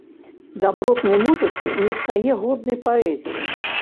Дабротнай музыцы не стае годнай паэзіі.